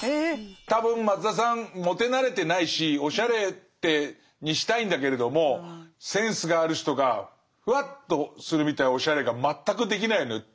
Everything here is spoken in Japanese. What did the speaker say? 多分松田さんモテなれてないしおしゃれにしたいんだけれどもセンスがある人がふわっとするみたいなおしゃれが全くできないのよ。